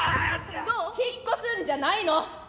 引っ越すんじゃないの？